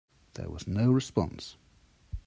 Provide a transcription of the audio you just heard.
There was no response.